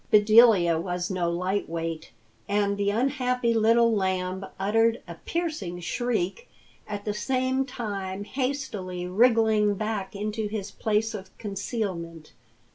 Bedelia was no light weight, and the unhappy Little Lamb uttered a piercing shriek, at the same time hastily wriggling back into his place of concealment.